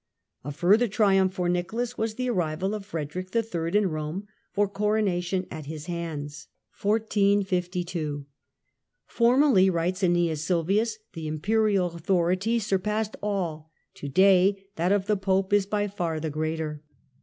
A further triumph for Nicholas was the arrival of Frederick III. in Rome for coronation at his hands. Coronation "Formerly," writes Aeneas Sylvius, "the Imperial rickTiL in authority surpassed all, to day that of the Pope is by Rome, 1452 far the greater."